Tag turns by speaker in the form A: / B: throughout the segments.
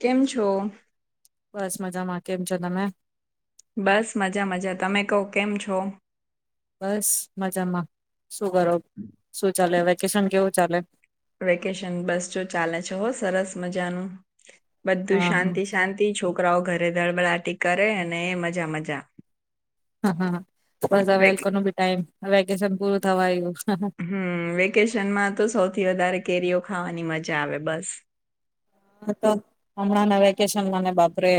A: કેમ છો?
B: બસ મજામાં, કેમ છો તમે?
A: બસ મજા મજા, તમે કવ, કેમ છો?
B: બસ મજામાં, શું કરો, શું ચાલે, વેકેશન કેવું? ચલે.
A: વેકેશન બસ જો ચાલે છે, હો સરસ મજાનું. બધું
B: હા
A: શાંતિ
B: હા
A: શાંતિ છો છોકરાઓ ઘરે ધડબડાટી કરે અને એ મજા મજા.
B: હા, હા, બસ હવેલ એ લોકોનો બી ટાઈમ. [unintelligible] થવા આવ્યું હા,
A: હમ્મ, વેકેશનમાં તો સૌથી વધારે કેરીઓ ખાવાની મજા આવે બસ.
B: હા, તો હમણાં ના વેકેશનને બાપરે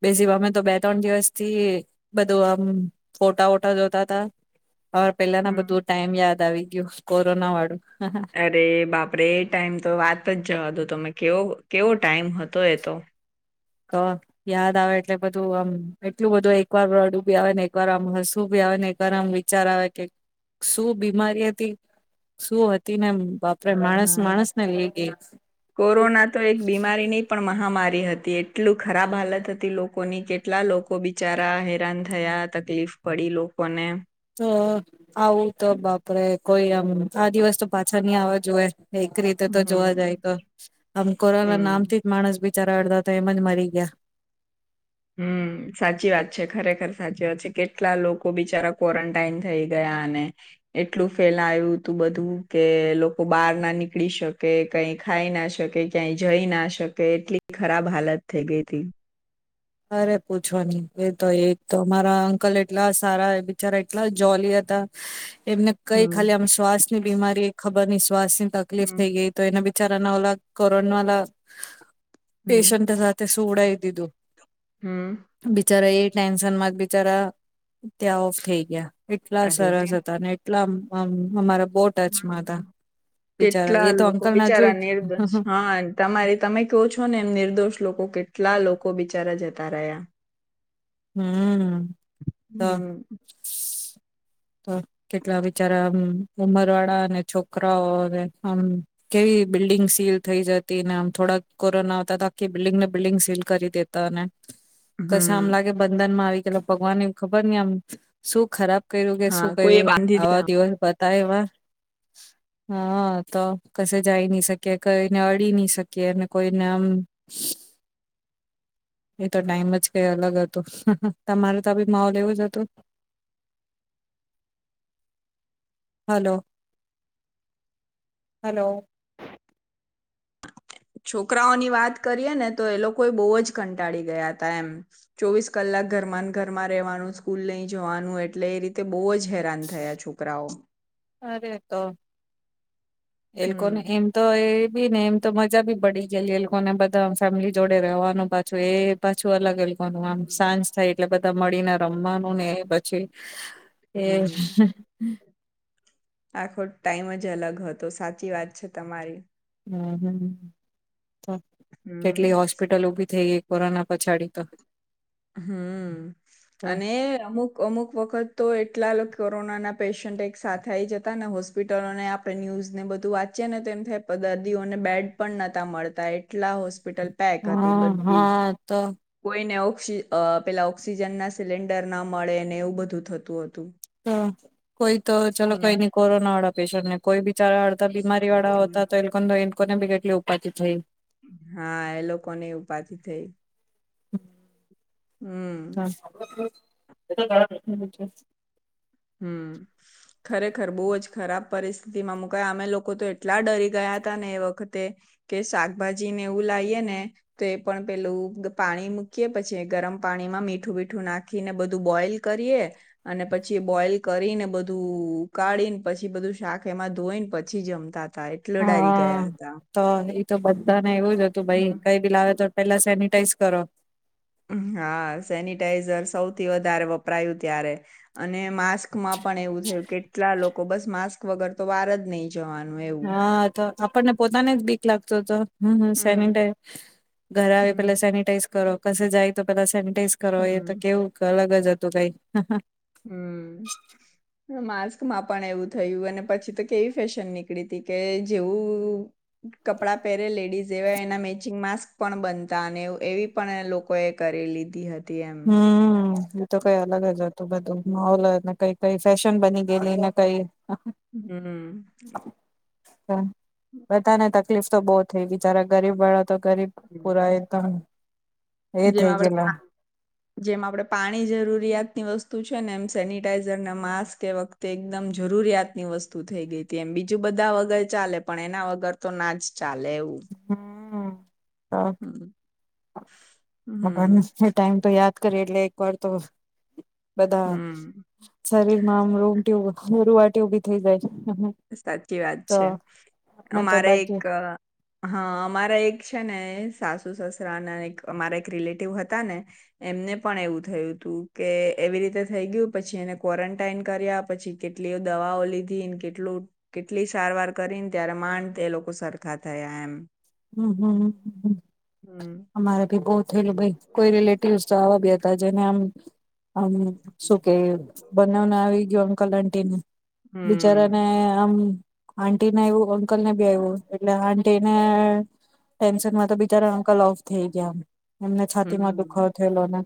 B: [unintelligible] અમે તો બે ત્રણ દિવસ થી બધું આમ ફોટા વોટા જોતા તા. ઓર પેલા ના
A: હમ
B: બધું ટાઈમ યાદ આવી. [unintelligible] કોરોના વાડું.
A: અરે બાપરે એ ટાઈમ તો વાત જ જવા દો તમે કેવો કેવો ટાઈમ હતો એ તો.
B: તો યાદ આવે એટલે બધું આમ એટલું બધું એકવાર રડું બી આવે ને એક વાર આમ હસું ભી આવે ને એક વાર આમ વિચાર આવે કે શું બીમારી હતી શું હતી ને એમ બાપ
A: હા કોરોના તો એક બીમારી નહી પણ માં માહામારી હતી એટલું ખરાબ હાલત હતી લોકોની કેટલા લોકો બિચારા હેરાન થયા તકલીફ પડી લોકોને.
B: તો આવું તો બાપરે. કોઈ આમ આ દિવસ તો પાછા નહી આવા જોએ. એક રીતે તો જોવા જાય
A: હમ
B: તો આમ કોરાના નામ
A: હમ
B: થી જ માણસ બી ચરડ અડધા તો એમજ મરી ગયા.
A: હમ્મ, સાચી વાત છે. ખરેખર સાચી વાત છે. કેટલા લોકો બિચારા ક્વોરનટાઈન થઈ ગયા અને એટલું ફેલાયું તું બધું કે લોકો બહાર ના નીકળી શકે કઈ ખાઈ ના શકે ક્યાંય જઈ ના શકે એટલી ખરાબ હાલત થઈ ગઈ થી.
B: અરે પૂછો નહીં. કો તો એક તો મારા અંકલએટલા સારા બિચારા એટલા જોલી હતા. એમને કઈ
A: હમ
B: ખાલી આમ શ્વાસ ની બીમારી એ ખબર નઇ શ્વાસ તકલીફ થઈ
A: હમ
B: ગઈ તો એના બી ચરણવલા કોરોનાવાલા
A: હમ
B: પેશન્ટ સાથે સુવડાઈ દિઘુ.
A: હમ
B: બિચારા એ ટેન્શન માં જ બિચારા ત્યાં ઓફ થઈ ગયા. એટલા
A: અરે રે
B: સરસ હતા એટલા હમ્મ હમારા એ
A: કેટલા
B: તો
A: લોકો
B: અંકલ ના જોય
A: બિચારા નિર્દોષ હા તમારી તમે કેવો છો ને એમ નિર્દોષ લોકો કેટ કેટલા લોકો બિચારા જતા રહ્યા
B: હમ તો
A: હમ
B: તો કેટલા વિચારા આમ ઉમર વાળા અને છોકરાઓ આમ કેવી બિલ્ડિંગ સીલ થઈ જતી ને આમ થોડાક કોરોના આવતા તો આખી બિલ્ડિંગને બિલ્ડિંગ સીલ કરી દેતા અને કશ આમ
A: હમ
B: લાગે દન માં આવી ગે ભગવાનને ખબર આમ શું ખરાબ કર્યું કે
A: હા
B: શું
A: કોઈ
B: કર્યું
A: બાંધી
B: આવા
A: દીધા
B: દિવસ બા એ હા તો કશે જાય નહી શકી કઈને અડી નહી શકીએ કોઈને આમ એતો ટાઈમ જ કઈ અલગ જ તમારે તો બી માહોલ એવું જ હતું હલો હલો
A: છોકરાઓની વાત કરીએ ને તો એ લોકો બહુ જ કંટાળી ગયા હતા એમ ચોવીસ કલાક ઘરમાં ઘરમાં રહેવાનું સ્કૂલ લઈ જવાનું એટલે એ રીતે બહુ જ હેરાન થયા છોકરાઓ
B: હરે તો એ લોકો
A: હમ
B: કોને એમ તો એ બી ને એમ તો મજા બી પડી ગયેલી એ લોકોને બધા ફેમિલી જોડે રવાનું પાછું એ પાછું અલગ લોકોનું આમ સાંજ થાય એટલે બધા મળીને રમવાનું ને પછી એ
A: હમ આખો ટાઈમ જ અલગ હતો સાચી વાત છે તમારી
B: હમ હ
A: હમ
B: કેટલી હોસ્પિટલ ઉભી થઈ કોરોના પછાડી તો
A: હમ
B: તો
A: અને અમુક અમુક વખત તો એટલા કોરોનાના પેશન્ટ એક સાથે આવીઈ જતા ને હોસ્પિટલોને આપણે ન્યૂઝ ને બધું વાંચીએ ને તો તેમ થાય દર્દીઓને બેડ પણ નહોતા મળતા એટલા હોશ સ્પિટલ પેક હતી
B: હા
A: બધી
B: હા તો
A: કોઈને પુક્ષી અ પેલા ઓક્સિજન ના સિલિન્ડર ના મળે ને એવું બધું થતું હતું
B: તો કોઈ તો ચલો કઈ
A: હમ
B: નઈ કોરોના વાળા પેશરને કોઈ બિ ચારા હડતા, બીમારી વાળા
A: હમ
B: હોતા તો લોકોને બીગાટલી ઉપાથી થઈ.
A: હા એ લોકોને ઉપાથી થઈ. હમ
B: હ
A: હમ ખરેખર બહુ જ ખરાબ પરિસ્થિતિ માં મુકાય અમે લોકો તો એટલા ડરી ગયા હતા ને એ વખત કે શાકભાજીને એવું લીઈએ ને તો એ પણ પેલું પાણી મૂકીએ, પછી ગરમ પાણીમાં મીઠું મીઠું નાખીને બધું બોઈલ કરીએ અને પછી પછ બોલ કરીને બધું ઉકાળી ને પછી બધું શાક એમાં ધોઈ ને પછી જમતા હતા એટલો ડરી
B: હા
A: ગયા હતા.
B: તો એ તો બધાને એવું જ હતું ભાઈ
A: હમ.
B: કઈ બી લાવે તો પેલા સેનિટાઈઝ કરો.
A: હા સેનિટાઈઝર સૌથી વધારે વપરાયું ત્યારે અને માસ્કમાં પણ એવું થયું કેટલા લોકો બસ માસ્ક વગર તો વાર જ નહી. જવાનું એવું.
B: હા તો આપણને પોતાને જ બીક લાગત હતો હમ્મ હમ્મ
A: હમ
B: સેનટાઈ ઘરે આવે પેલા
A: હમ
B: સેનિટાઈઝ કરો. કશ જાય તો પેલા સેની ટીઝ કર તો
A: હમ
B: કેવું અલગ જ જતુ રેય
A: હમ્મ માસ્કમાં પણ એવું થયું, અને પછી તો કેવી ફેશન નીકળી હતી કે જેવું કપડા પહેરે લેડીસ તેવા એના મેચિંગ માસ્ક પણ બનતા, અને એવી પણ લોકોએ કરી લીધી હતી. એમ
B: હમ્મ. એ તો કઈ અલગ જ હતું બધું માહોલ ને કઈ કઈ ફેશન બની ગયેલી ને કઈ
A: હમ્મ.
B: હા, બધાને તકલીફ તો બહુ થઈ બિચારા ગરીબ વાળા તો ગરીબ
A: હમ.
B: પુરાય તો એ
A: જેમ
B: થઈ
A: આપડે
B: ગયેલા.
A: પા જેમ આપડે પાણી જરૂરિયાતની વસ્તુ છે, ને એમ સેનિટાઈઝર ને માસ્ક એ વખતે એકદમ જરૂરિયાતની વસ્તુ થઈ ગઈતી, એમ બીજું બધા વગર ચાલે, પણ એના વગર તો ના જ ચાલે એવું.
B: હમ તો
A: હમ્મ.
B: [inaudible] ટાઈમ તો યાદ કરીએ, એટલે એક વાર તો બધા
A: હમ
B: શરીર માં આમ રૂમટી રુવાટી ઉભી થઈ જાય.
A: સાચી વાત
B: તો
A: છે,
B: આપણે તો
A: અમારે એક
B: બાકી
A: હા અમારે એક છે ને સાસુ સસરા ના એક અમારા એક રિલેટિવ હતા ને એમને પણ એવું થયું હતું, કે એવી રીતે થઈ ગયું, પછી એને ક્વોરન્ટાઈન કર્યા, પછી કેટલી દવાઓ લીધી કેટ કેટલું, કેટલી સારવાર કરીને ત્યારે માંડ એ લોકો સરખા થયા, એમ.
B: હમ્મ, હમ્મ,
A: હમ
B: અમારા ભી બહુત ભાઈ કોઈ રિલેટિવ. [unintelligible] બી હતા, જેને આમ. આમ શું કે બનાવને આવી ગયો અંકલ આટીને,
A: હમ
B: બિચારાને આમ. આન્ટી ના એવુ કલ ને બી આવ્યું એટલે આ તેને ટેન્શનમાં તો બિચારા અંકલ ઓફ થઈ ગયા. એમને છાતી માં દુખાવ
A: હમ
B: થયેલો ને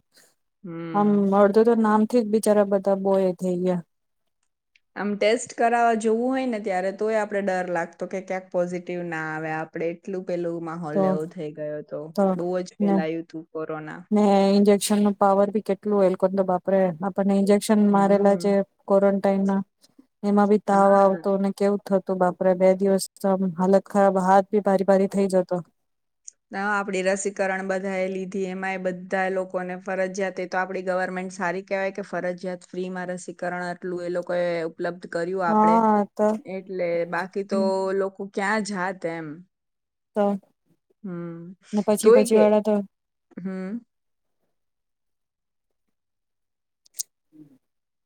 B: આમ
A: હમ
B: અડધો તો નામ થી બિચારા બધા બો એ થઈ ગયા.
A: આમ ટેસ્ટ કરાવવા જોવું હોય ને ત્યારે તોય આપડે ડર લાગતો કે ક્યાંક પોઝિટિવ ના આવે આપડે એટલું. પેલોું માહોલ
B: તો
A: એવો થઈ ગયો હતો બઉુ જ પેલાયું તું.
B: હ એ જ. નું પાવર ભી કેટલું તો બાપે. પણ ઇન્જેક્શન મારેલા છે
A: હમ
B: ક્વોરન્ટાઈન ના એમાં બી તાવ
A: હા
B: આવતો અને કેવું થતું. તો બાપરા બે દિવસ હાલત. ખરાબ હાથ ભી ભારી ભારી થઈ જતો.
A: ના આપડી રસીકરણ બધા એ લીધી એમાં એ બધા લોકોને ફરજિયાત એ તો આપડી ગવર્મેન્ટ સારી કેવાય કે ફરજિયાત ફ્રી માં રસીકરણ આટલું એ લોકોએ. ઉપલબ્ધ કર્યું આપડણે
B: હા તો
A: એટલે બાકી તો લોકો ક્યાં જ. જા તેમ.
B: ત.
A: તોય કે
B: તો
A: હમ્મ.
B: [inaudible]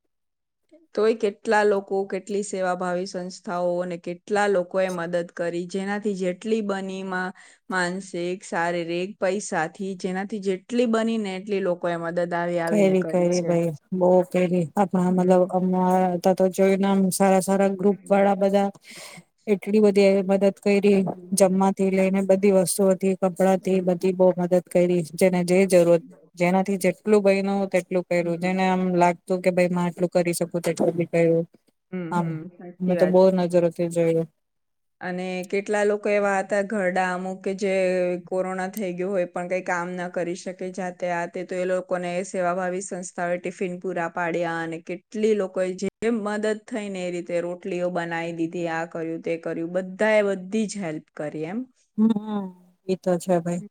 A: તોય કેટલા લોકો કેટલી સેવાભાવી સંસ્થાઓ અને કેટલા લોકો એ મદદ કરી જેનાથી જેટલી બનીમાં માનસિક શારીરિક પૈસાથી જેનાથી જેટલી બની ને એટલી લોકોએ મદદ. આવી
B: કઈ
A: આવીને
B: ની કઈ
A: કરી
B: ની
A: છે
B: ભાઈ બહ. [unintelligible] આપણા
A: હમ
B: મતલબ અ. તો. જોઈ નામ સારા સારા ગ્રુપ વાળા બધા. એટલી બધી મદદ. કરી
A: હમ
B: જમવાથી લઈને
A: હમ
B: બધી વસ્તુઓથી કપડા થી
A: હમ
B: બધી બહુ મદદ કરી જેને જે જરૂર જેનાથી જે. ભ ન તેટલું પહેર્યું
A: હમ
B: જેને આમ લાગતું કે ભાઈ માં એટલું કરી શક. [unintelligible]
A: હમ્મ હમ્મ સાચી વાત છે
B: નજરોથી જોયું
A: અને કેટલા લોકો એવા હતા ઘરડા અમુક કે જે કોરોના થઈ ગયું હોય પણ કંઈ કામ ન કરી શકે જાતે આતે તો એ લોકોને સેવાભાવી સંસ્થાઓએ ટિફિન પૂરા પાડ્યા અને કેટલી લોકોએ જે મદદ થઈને એ રીતે રોટલીઓ બનાવી દીધી આ કર્યું તે કર્યું બધા એ બધી જ હેલ્પ કરી એમ.
B: હમ્મ હમ્મ એતો છે ભાઈ.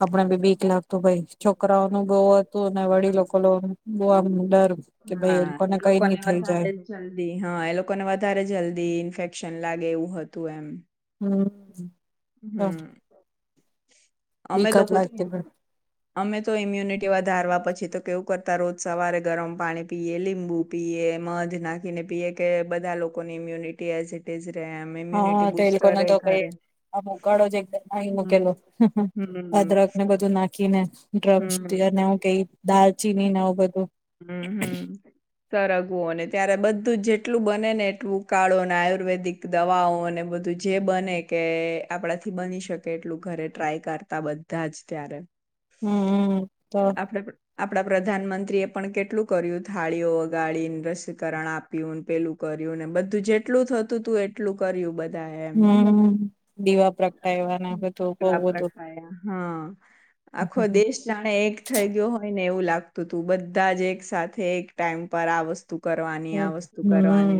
B: આપડે ભી બી ક લખું ભાઈ છોકરાઓ નું ગોત ત વડી
A: હા
B: લોકો લો. [unintelligible]
A: હા એ લોકોને વધારે જલ્દી હા એ લોકોને વધારે જલ્દી ઇન્ફેક્ટ શન લાગે એવું હતું એમ. હમ
B: હમ્મ.
A: અમે
B: બિકટ
A: લોકો તો
B: લાગતી પણ
A: અમે તો ઈમ્યુનિટી વધારવા પછી તો કેવું કરતા રોજ સવારે ગરમ પાણી પીએ, લીંબુ પીએ, મધ નાખીને પીએ, કે બધા લોકો ની ઇમ્યુનિટી એઝ ઇટ ઇઝ રહે એમ
B: હા
A: ઇમ્યુનિટી
B: તો એ
A: બુસ્ટર
B: લોકોના
A: રહે
B: તો કઈ
A: ઘરે
B: આમ ઉકાળો જ એટલે ઉકળી
A: હમ
B: મુૂકેલો
A: હમ
B: અદ્રક ને બધું નાખ કે
A: હમ
B: ના [unintelligible] કઈ દાલચીનીને બધું
A: સરગવું અને ત્યારે બધું જેટલું બને ને એટલું કાળોને આયુર્વેદિક દવાઓને બધું જે બને કે આપણાથી બની શકે એટલું ઘરે ટ્રાય કરતા બધા જ ત્યારે.
B: હમ્મ હમ્મ, તો.
A: આપડા પ્રધાનમંત્રીએ પણ કેટલું કર્યું થાળીઓ વગાડીને, રસીકરણ આપ્યુંને, પેલું કર્યું ને બધું જેટલું થતું તું એટલું કર્યું બધ
B: હમ્મ, દીવા પ્રગટાયવાને બધું બવ
A: વાપ
B: બધું
A: રખાયા હા આખો
B: હમ
A: દેશ જાણે એક થઇ ગયો હોય ને એવું લાગ તો તું બધા જ એક સાથે એક ટાઈમ પર આ વસ
B: હૈ હમ્મ.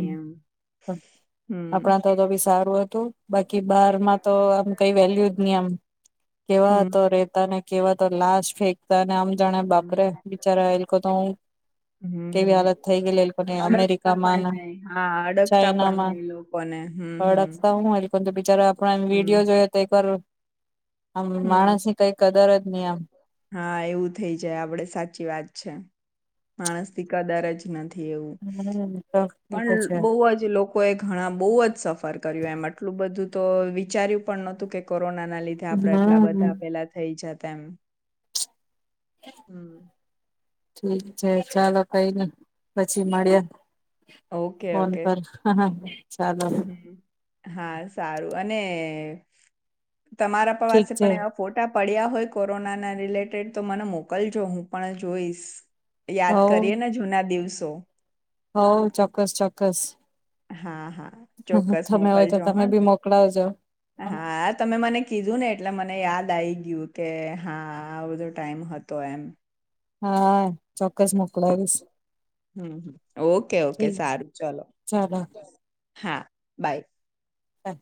A: હમ
B: આપણા તો એ બી સારું હતું બાકી બહારમાં તો આમ કઈ વેલ્યુ જ નહી આમ. કેવા હતો રે
A: હમ
B: તને કેવત તો લાશ ફેક તા અને આમ જાણે બાપરે
A: હમ
B: બિચારા એ લોકો તો હું કેવી
A: હમ
B: હાલત થઈ ગયલી. એ
A: અડગતા પણ
B: અમેરિકામાંના
A: નહી હા અડગતા પણ
B: ચાઈનામાં
A: નહી લોકોને હમ હમ
B: સડકતા હોય એ બિચારા આપ વિડીયો જો તો એક કર
A: હમ્મ. હા એવું થઇ જાય આપડે સાચી વાત છે. માણસ થી કદાર જ નથી. એવું
B: હમ તો છે
A: પણ બહુજ લોકો એ ઘણા બહુજ સફર કર્યું એમ આટલું બધું. તો વિચાર્યું પણ નતું કે કો રોના ના લીધે આપણે એટલા
B: હમ
A: બધા પેલા થઈ જાત તેમ. [inaudible]
B: ઠીક છે ચાલો કઈ ન પછી મળ્યે.
A: ઓકે
B: ફોન
A: ઓકે
B: કર હ હા. ચાલો.
A: હમ હા સારું અને તમારા
B: ઠીક
A: પવાસે
B: છે
A: પણ એવા ફોટા પડ્યા હોય કોરોનાના રિલેટેડ તો મને મોકલજો હું પણ જોઈશ. યાદ કરીએ ને જૂના દિવસે જો
B: હ ચોક્કસ ચોક્કસ
A: હા હા ચોક્કસ
B: તમે હોય તો
A: મોકલજો
B: તમે
A: હા
B: બી મોકલાવજો
A: હા તમે મને કીધું ને એટલે મને યાદ દાઈ ગયું કે હા આ બધો ટાઈમ હતો એમ.
B: હા ચોક્કસ મોકલાવીશ.
A: હમ હ ઓકે ઓકે
B: ઠીક
A: સારું ચલો.
B: ચાલો બાય
A: હા બાય
B: આય